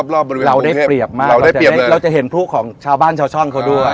เราได้เปรียบมากเราจะเห็นผู้ของชาวบ้านชาวช่องเขาด้วย